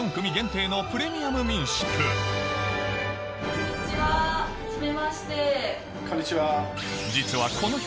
こんにちははじめまして。